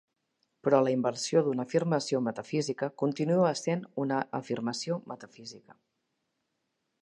Però la inversió d'una afirmació metafísica continua sent una afirmació metafísica.